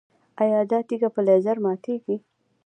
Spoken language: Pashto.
ایا دا تیږه په لیزر ماتیږي؟